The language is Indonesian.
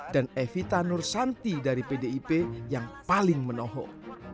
dan evita nursanti dari pdip yang paling menohok